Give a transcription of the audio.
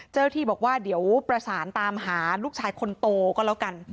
เจ้าที่บอกว่าเดี๋ยวประสานตามหาลูกชายคนโตก็แล้วกัน